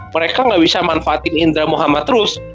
mereka nggak bisa manfaatin indra muhammad terus